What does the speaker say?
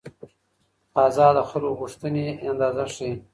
تقاضا د خلکو غوښتنې اندازه ښيي.